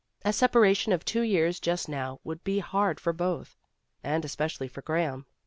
A separation of two years just now would be hard for both, and especially for Graham.